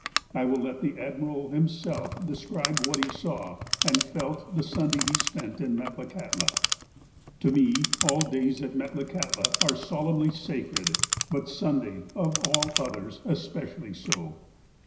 I will let the admiral himself describe what he saw and felt the Sunday he spent in Metlakahtla :" To me, all days at Metlakahtla are solemnly sacred, but Sunday, of all others, especially so.